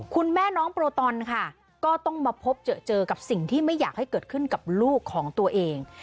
คุณแม่น้องโปรตอนค่ะก็ต้องมาพบเจอกับสิ่งที่ไม่อยากให้เกิดขึ้นกับลูกของตัวเอง